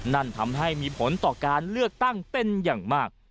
นั่นทำให้มีผลต่อการเลือกตั้งเป็นอย่างมาก